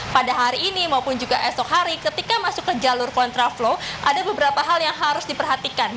pada hari ini maupun juga esok hari ketika masuk ke jalur kontraflow ada beberapa hal yang harus diperhatikan